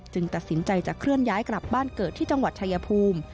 ตัดสินใจจะเคลื่อนย้ายกลับบ้านเกิดที่จังหวัดชายภูมิ